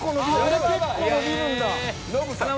俺結構伸びるんだ。